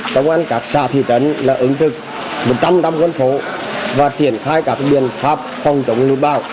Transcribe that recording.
công an các xã thị trấn đã ứng thực một trăm linh năm gân phố và triển khai các biện pháp phòng chống lũ bảo